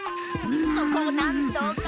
そこをなんとか。